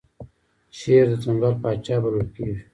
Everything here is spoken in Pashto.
شیر د ځنګل پاچا بلل کیږي